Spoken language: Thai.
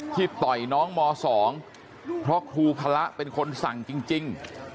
ต่อยน้องม๒เพราะครูพระเป็นคนสั่งจริง